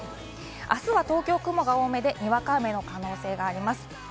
あすは東京、雲が多めでにわか雨の可能性があります。